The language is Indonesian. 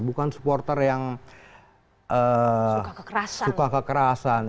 bukan supporter yang suka kekerasan